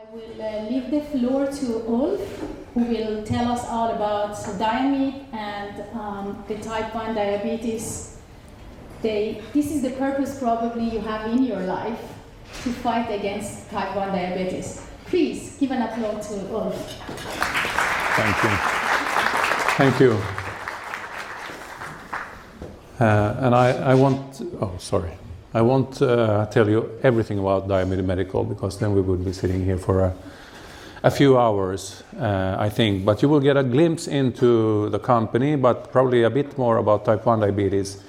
I will leave the floor to Ulf, who will tell us all about Diamyd and the type 1 diabetes day. This is the purpose probably you have in your life, to fight against type 1 diabetes. Please give an applause to Ulf. Thank you. Thank you. I won't tell you everything about Diamyd Medical, because then we would be sitting here for a few hours, I think. You will get a glimpse into the company, but probably a bit more about type 1 diabetes,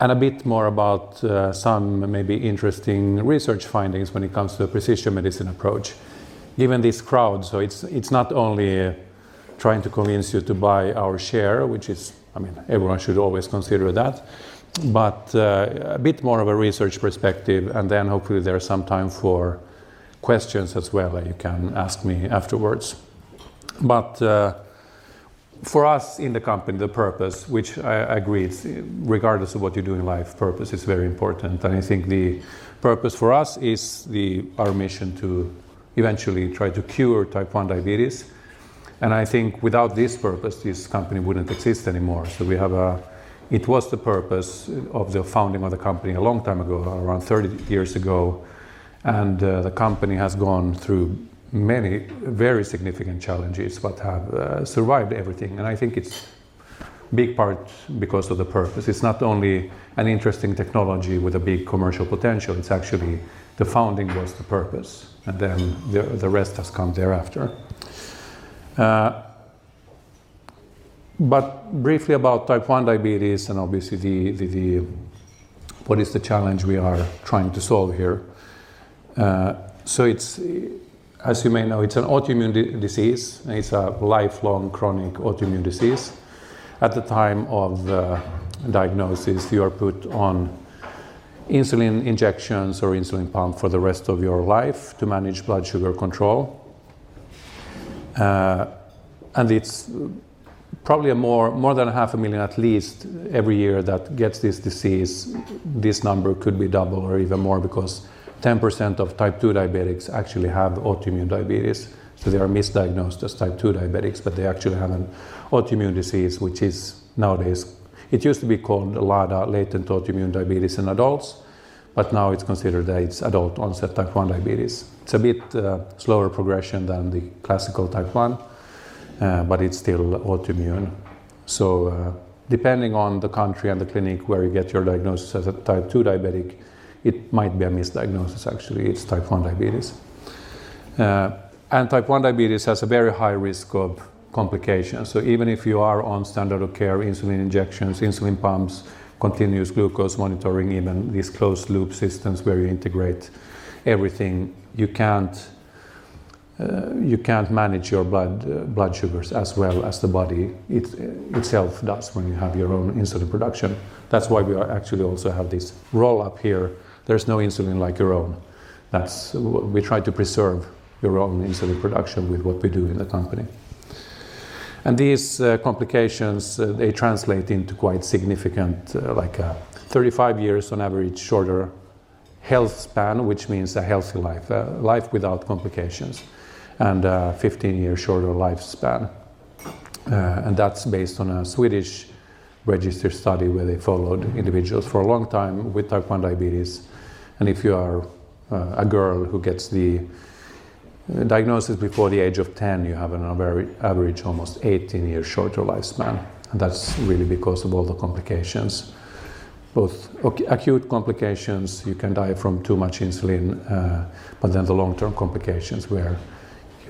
and a bit more about some maybe interesting research findings when it comes to a precision medicine approach. Given this crowd, it's not only trying to convince you to buy our share, which is, I mean, everyone should always consider that, but a bit more of a research perspective, hopefully there are some time for questions as well, that you can ask me afterwards. For us in the company, the purpose, which I agree, regardless of what you do in life, purpose is very important. I think the purpose for us is our mission to eventually try to cure type 1 diabetes. I think without this purpose, this company wouldn't exist anymore. It was the purpose of the founding of the company a long time ago, around 30 years ago, the company has gone through many very significant challenges, but have survived everything. I think it's big part because of the purpose. It's not only an interesting technology with a big commercial potential, it's actually the founding was the purpose, and then the rest has come thereafter. But briefly about type 1 diabetes and obviously what is the challenge we are trying to solve here? So it's, as you may know, it's an autoimmune disease, and it's a lifelong chronic autoimmune disease. At the time of the diagnosis, you are put on insulin injections or insulin pump for the rest of your life to manage blood sugar control. It's probably more than a half a million, at least every year, that gets this disease. This number could be double or even more because 10% of type 2 diabetics actually have autoimmune diabetes, they are misdiagnosed as type 2 diabetics, but they actually have an autoimmune disease. It used to be called LADA, latent autoimmune diabetes in adults, but now it's considered that it's adult-onset type 1 diabetes. It's a bit slower progression than the classical type 1, it's still autoimmune. Depending on the country and the clinic where you get your diagnosis as a type 2 diabetic, it might be a misdiagnosis, actually, it's type 1 diabetes. Type 1 diabetes has a very high risk of complications. Even if you are on standard of care, insulin injections, insulin pumps, continuous glucose monitoring, even these closed-loop systems where you integrate everything, you can't manage your blood sugars as well as the body itself does when you have your own insulin production. That's why we are actually also have this roll up here. There's no insulin like your own. We try to preserve your own insulin production with what we do in the company. These complications, they translate into quite significant, like, 35 years on average, shorter health span, which means a healthy life without complications, and 15 years shorter lifespan. That's based on a Swedish registered study, where they followed individuals for a long time with type 1 diabetes. If you are a girl who gets the diagnosis before the age of 10, you have an average, almost 18 years shorter lifespan. That's really because of all the complications. Both acute complications, you can die from too much insulin, but then the long-term complications where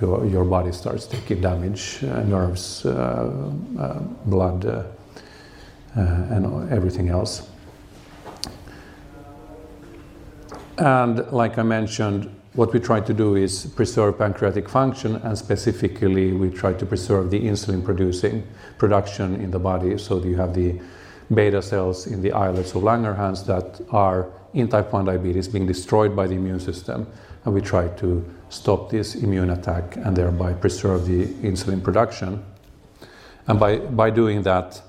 your body starts to get damage, nerves, blood, and everything else. Like I mentioned, what we try to do is preserve pancreatic function, and specifically, we try to preserve the insulin producing production in the body. You have the beta cells in the islets of Langerhans that are in type 1 diabetes being destroyed by the immune system, and we try to stop this immune attack and thereby preserve the insulin production. By doing that,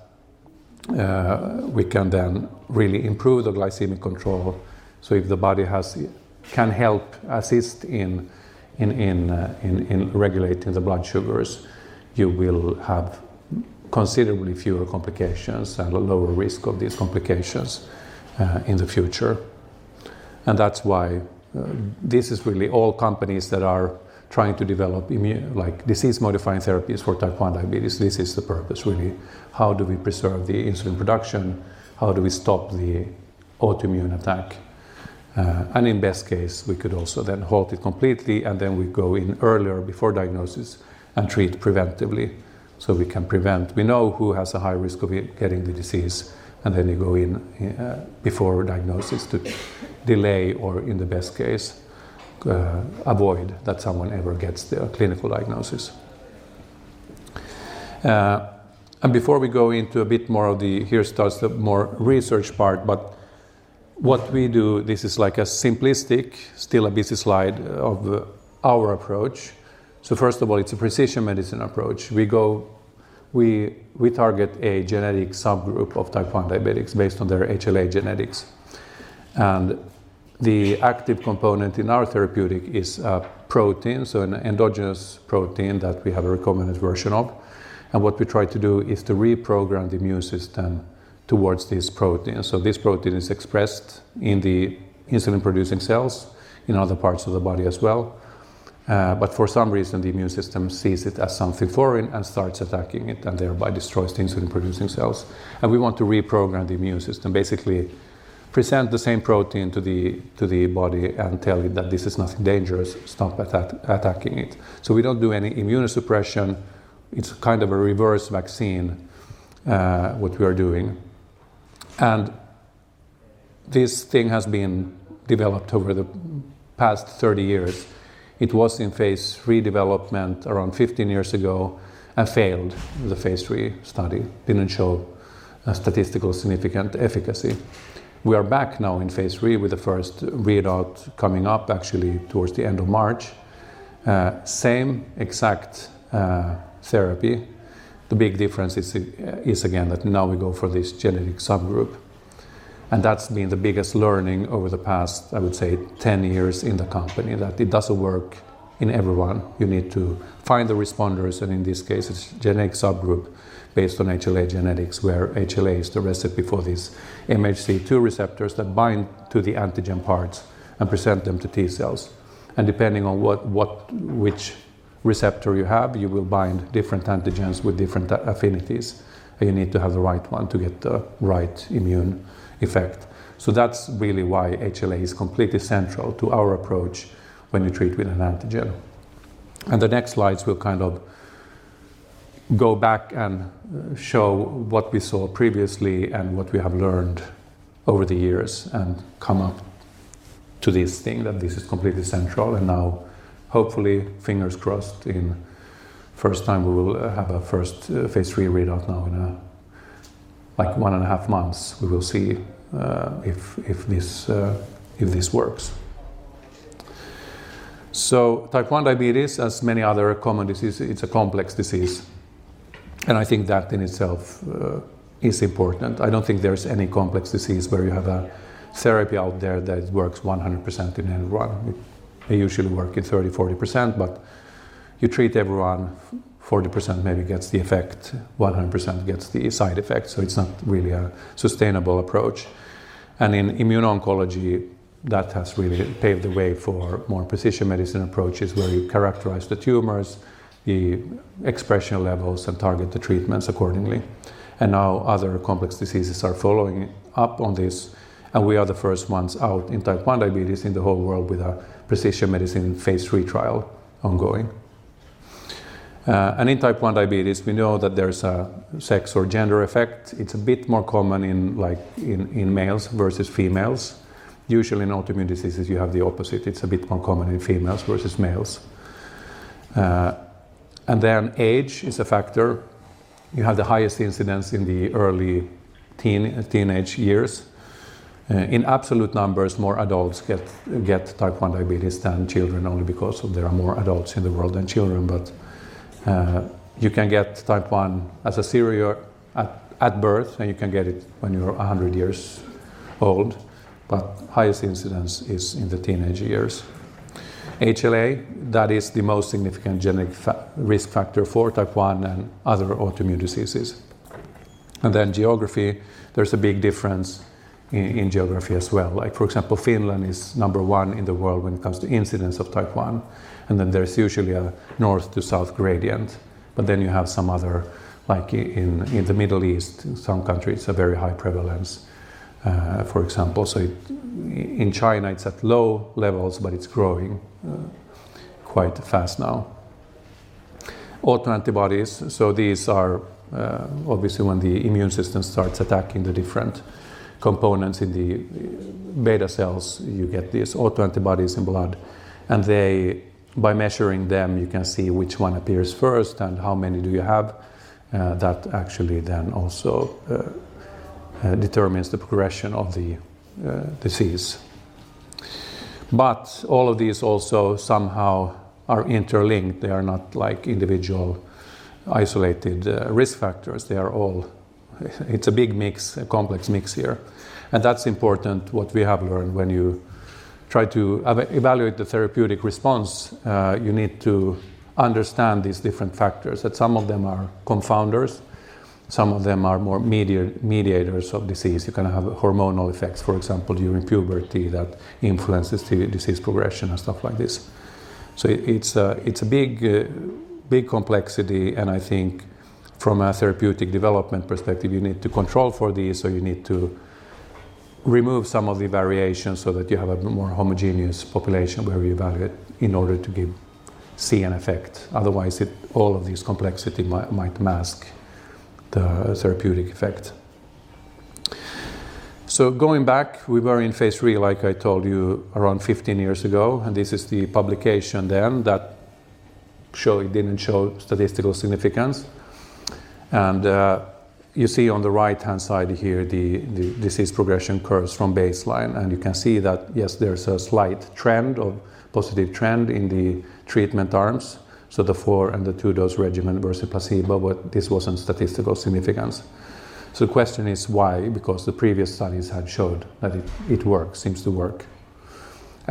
we can then really improve the glycemic control. If the body can help assist in regulating the blood sugars, you will have considerably fewer complications and a lower risk of these complications in the future. That's why this is really all companies that are trying to develop immune, like, disease-modifying therapies for type 1 diabetes. This is the purpose, really. How do we preserve the insulin production? How do we stop the autoimmune attack? In best case, we could also then halt it completely. We go in earlier before diagnosis and treat preventively, so we can prevent. We know who has a high risk of getting the disease. You go in before diagnosis to delay or, in the best case, avoid that someone ever gets the clinical diagnosis. Before we go into a bit more of the, here starts the more research part, but what we do, this is like a simplistic, still a busy slide of our approach. First of all, it's a precision medicine approach. We target a genetic subgroup of type 1 diabetics based on their HLA genetics. The active component in our therapeutic is a protein, so an endogenous protein that we have a recombinant version of. What we try to do is to reprogram the immune system towards this protein. This protein is expressed in the insulin-producing cells in other parts of the body as well, but for some reason, the immune system sees it as something foreign and starts attacking it, and thereby destroys the insulin-producing cells. We want to reprogram the immune system, basically present the same protein to the body and tell it that this is nothing dangerous, stop attacking it. We don't do any immunosuppression. It's kind of a reverse vaccine, what we are doing. This thing has been developed over the past 30 years. It was in phase III development around 15 years ago and failed. The phase III study didn't show a statistical significant efficacy. We are back now in phase III with the first readout coming up actually towards the end of March. Same exact therapy. The big difference is again that now we go for this genetic subgroup, and that's been the biggest learning over the past, I would say, 10 years in the company, that it doesn't work in everyone. You need to find the responders, in this case, it's genetic subgroup based on HLA genetics, where HLA is the recipe for these MHC II receptors that bind to the antigen parts and present them to T cells. Depending on which receptor you have, you will bind different antigens with different affinities, and you need to have the right one to get the right immune effect. That's really why HLA is completely central to our approach when you treat with an antigen. The next slides will kind of go back and show what we saw previously and what we have learned over the years and come up to this thing, that this is completely central. Now, hopefully, fingers crossed, in first time, we will have a first phase III readout now in like, one and a half months. We will see if this works. Type 1 diabetes, as many other common diseases, it's a complex disease, and I think that in itself is important. I don't think there's any complex disease where you have a therapy out there that works 100% in everyone. It usually work in 30%-40%, but you treat everyone, 40% maybe gets the effect, 100% gets the side effects, so it's not really a sustainable approach. In immune oncology, that has really paved the way for more precision medicine approaches, where you characterize the tumors, the expression levels, and target the treatments accordingly. Now other complex diseases are following up on this, and we are the first ones out in type 1 diabetes in the whole world with a precision medicine phase III trial ongoing. In type 1 diabetes, we know that there's a sex or gender effect. It's a bit more common in, like, in males versus females. Usually, in autoimmune diseases, you have the opposite. It's a bit more common in females versus males. Then age is a factor. You have the highest incidence in the early teen, teenage years. In absolute numbers, more adults get type 1 diabetes than children, only because there are more adults in the world than children. You can get type 1 as a serial at birth, and you can get it when you're 100 years old, but highest incidence is in the teenage years. HLA, that is the most significant genetic risk factor for type 1 and other autoimmune diseases. Then geography, there's a big difference in geography as well. Like, for example, Finland is number one in the world when it comes to incidence of type 1. Then there's usually a north to south gradient. Then you have some other, like in the Middle East, in some countries, a very high prevalence, for example. In China, it's at low levels, but it's growing quite fast now. Autoantibodies, these are, obviously, when the immune system starts attacking the different components in the beta cells, you get these autoantibodies in blood. By measuring them, you can see which one appears first and how many do you have that actually then also determines the progression of the disease. All of these also somehow are interlinked. They are not like individual isolated risk factors. They are all... It's a big mix, a complex mix here. That's important, what we have learned. When you try to evaluate the therapeutic response, you need to understand these different factors, that some of them are confounders, some of them are more mediators of disease. You can have hormonal effects, for example, during puberty, that influences the disease progression and stuff like this. It's a, it's a big, big complexity. I think from a therapeutic development perspective, you need to control for these, so you need to remove some of the variation so that you have a more homogeneous population where you evaluate in order to see an effect. Otherwise, all of this complexity might mask the therapeutic effect. Going back, we were in phase III, like I told you, around 15 years ago, this is the publication then that it didn't show statistical significance. You see on the right-hand side here, the disease progression curves from baseline, you can see that, yes, there's a slight trend or positive trend in the treatment arms, so the 4 and the 2 dose regimen versus placebo, this wasn't statistical significance. The question is why? Because the previous studies had showed that it works, seems to work.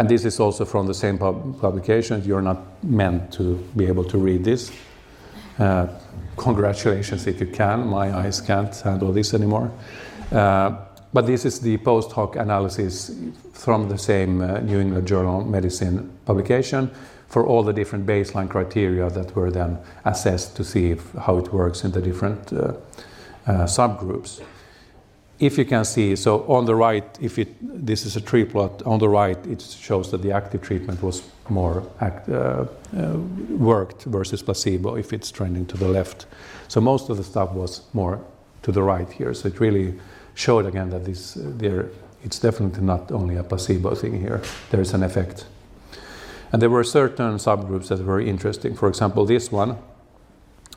This is also from the same publication. You're not meant to be able to read this. Congratulations if you can. My eyes can't handle this anymore. This is the post hoc analysis from the same New England Journal of Medicine publication for all the different baseline criteria that were then assessed to see how it works in the different subgroups. If you can see, on the right, this is a tree plot. On the right, it shows that the active treatment was more worked versus placebo, if it's trending to the left. Most of the stuff was more to the right here. It really showed again that this there, it's definitely not only a placebo thing here. There is an effect. There were certain subgroups that were very interesting. For example, this one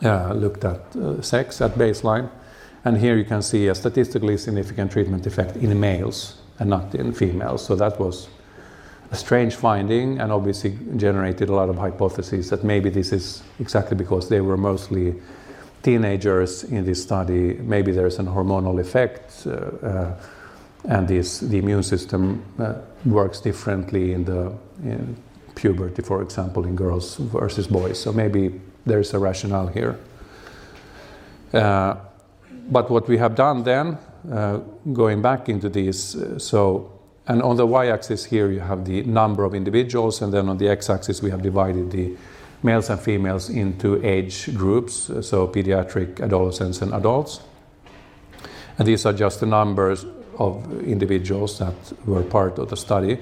looked at sex at baseline, and here you can see a statistically significant treatment effect in males and not in females. That was a strange finding and obviously generated a lot of hypotheses that maybe this is exactly because they were mostly teenagers in this study. Maybe there is an hormonal effect, and this, the immune system, works differently in the, in puberty, for example, in girls versus boys. Maybe there's a rationale here. What we have done then, going back into this. On the y-axis here, you have the number of individuals, and then on the x-axis, we have divided the males and females into age groups, so pediatric, adolescents, and adults. These are just the numbers of individuals that were part of the study.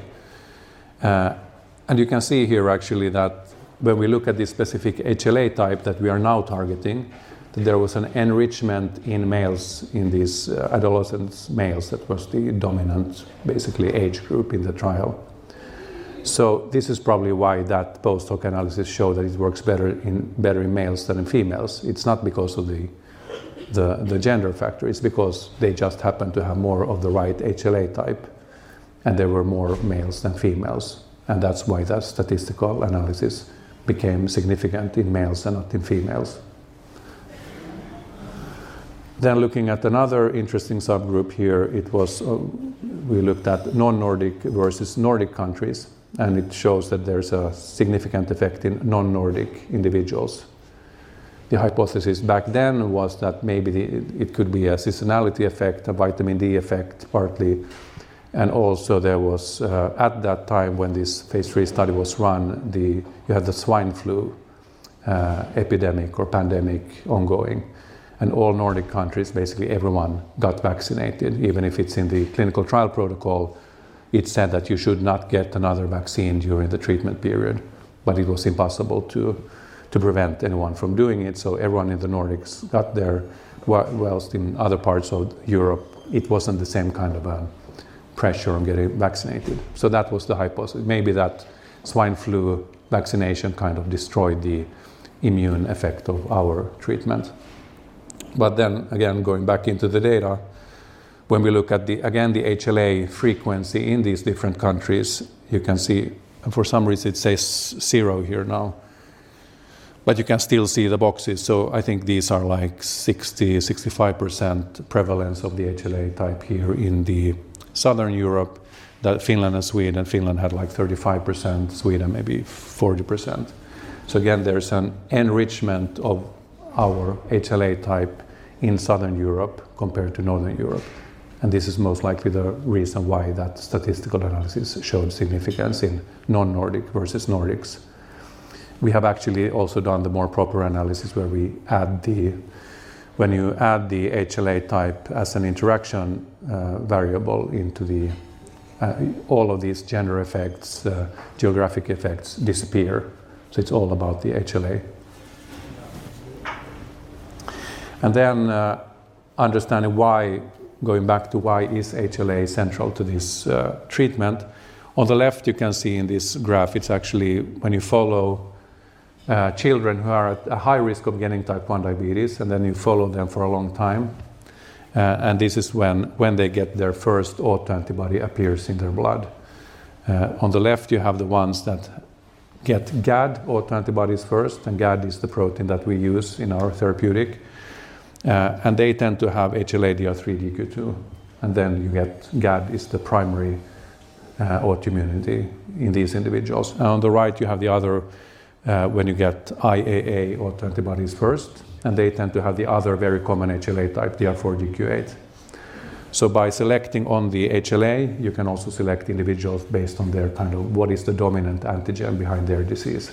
You can see here actually that when we look at the specific HLA type that we are now targeting, there was an enrichment in males, in these, adolescents males. That was the dominant, basically, age group in the trial. This is probably why that post hoc analysis show that it works better in males than in females. It's not because of the gender factor, it's because they just happen to have more of the right HLA type, and there were more males than females, and that's why that statistical analysis became significant in males and not in females. Looking at another interesting subgroup here, it was, we looked at non-Nordic versus Nordic countries, and it shows that there's a significant effect in non-Nordic individuals. The hypothesis back then was that maybe it could be a seasonality effect, a vitamin D effect, partly, and also there was at that time when this phase III study was run, you had the swine flu epidemic or pandemic ongoing, and all Nordic countries, basically everyone got vaccinated. Even if it's in the clinical trial protocol, it said that you should not get another vaccine during the treatment period, it was impossible to prevent anyone from doing it. Everyone in the Nordics got their whilst in other parts of Europe, it wasn't the same kind of a pressure on getting vaccinated. That was the hypothesis. Maybe that swine flu vaccination kind of destroyed the immune effect of our treatment. Again, going back into the data, when we look at the, again, the HLA frequency in these different countries, you can see, for some reason, it says zero here now, but you can still see the boxes. I think these are like 60%-65% prevalence of the HLA type here in Southern Europe, that Finland and Sweden, and Finland had, like, 35%, Sweden, maybe 40%. Again, there's an enrichment of our HLA type in Southern Europe compared to Northern Europe, and this is most likely the reason why that statistical analysis showed significance in non-Nordic versus Nordics. We have actually also done the more proper analysis, when you add the HLA type as an interaction variable into the all of these gender effects, geographic effects disappear. It's all about the HLA. Understanding why, going back to why is HLA central to this treatment. On the left, you can see in this graph, it's actually when you follow children who are at a high risk of getting type 1 diabetes, and then you follow them for a long time, and this is when they get their first autoantibody appears in their blood. On the left, you have the ones that get GAD autoantibodies first, and GAD is the protein that we use in our therapeutic, and they tend to have HLA DR3 DQ2, and then you get GAD is the primary autoimmunity in these individuals. On the right, you have the other, when you get IAA autoantibodies first, and they tend to have the other very common HLA type, DR4 DQ8. By selecting on the HLA, you can also select individuals based on their kind of what is the dominant antigen behind their disease.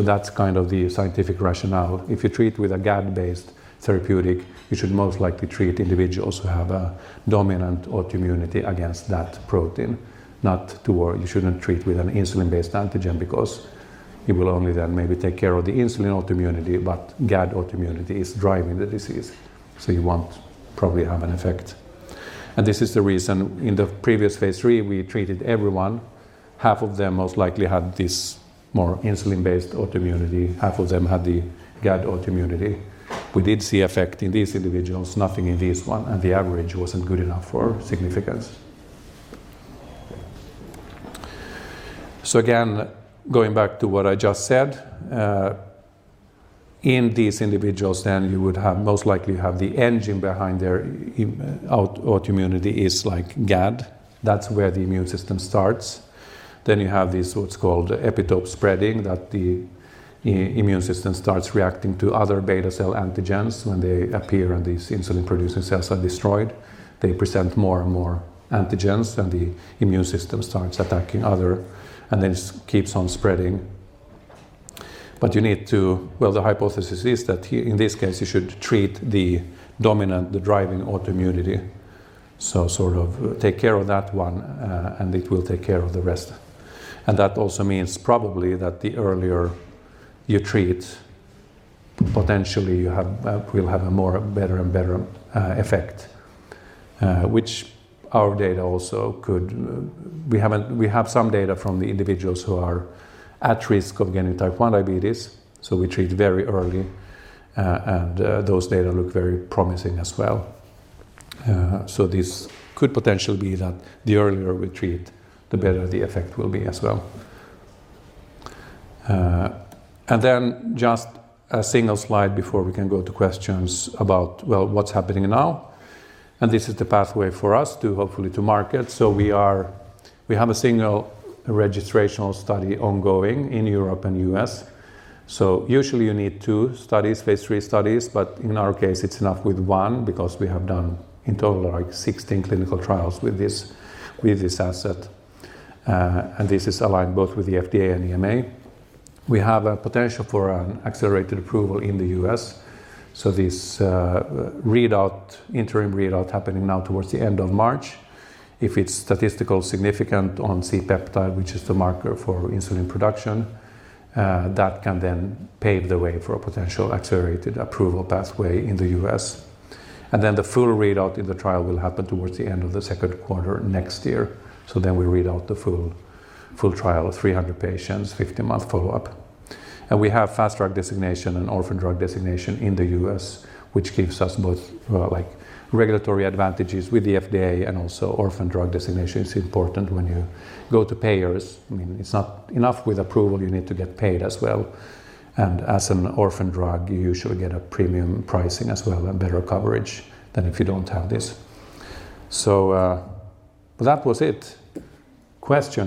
That's kind of the scientific rationale. If you treat with a GAD-based therapeutic, you should most likely treat individuals who have a dominant autoimmunity against that protein, not to worry. You shouldn't treat with an insulin-based antigen because it will only then maybe take care of the insulin autoimmunity, but GAD autoimmunity is driving the disease. You won't probably have an effect. This is the reason in the previous phase III, we treated everyone. Half of them most likely had this more insulin-based autoimmunity, half of them had the GAD autoimmunity. We did see effect in these individuals, nothing in this one, and the average wasn't good enough for significance. Again, going back to what I just said, in these individuals, you would have most likely have the engine behind their autoimmunity is like GAD. That's where the immune system starts. You have this, what's called epitope spreading, that the immune system starts reacting to other beta cell antigens when they appear, and these insulin-producing cells are destroyed. They present more and more antigens, and the immune system starts attacking other, and then it keeps on spreading. Well, the hypothesis is that in this case, you should treat the dominant, the driving autoimmunity. Sort of take care of that one, and it will take care of the rest. That also means probably that the earlier you treat, potentially you will have a more better and better effect, which our data also could. We have some data from the individuals who are at risk of getting type I diabetes, so we treat very early, and those data look very promising as well. So this could potentially be that the earlier we treat, the better the effect will be as well. Then just a single slide before we can go to questions about, well, what's happening now? This is the pathway for us to, hopefully, to market. We have a single registrational study ongoing in Europe and U.S. Usually you need 2 studies, phase III studies, but in our case, it's enough with one because we have done in total, like 16 clinical trials with this, with this asset, and this is aligned both with the FDA and EMA. We have a potential for an accelerated approval in the U.S. This readout, interim readout, happening now towards the end of March. If it's statistical significant on C-peptide, which is the marker for insulin production, that can then pave the way for a potential accelerated approval pathway in the U.S. The full readout in the trial will happen towards the end of the second quarter next year. We read out the full trial of 300 patients, 50-month follow-up. We have Fast Track Designation and Orphan Drug Designation in the U.S., which gives us both, like regulatory advantages with the FDA and also Orphan Drug Designation is important when you go to payers. I mean, it's not enough with approval, you need to get paid as well. As an orphan drug, you usually get a premium pricing as well and better coverage than if you don't have this. That was it. Questions?